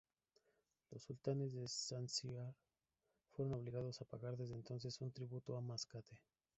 Los sultanes de Zanzíbar fueron obligados a pagar desde entonces un tributo a Mascate.